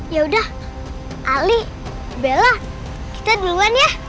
yaudah ali bella kita duluan ya